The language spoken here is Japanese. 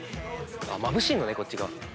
まぶしいのねこっち側。